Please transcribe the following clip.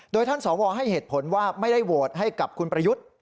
โดยท่านสวให้เหตุผลว่าไม่ได้โหวตให้กับคุณประยุทธ์